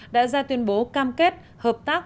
đã ra tuyên bố cam kết hợp tác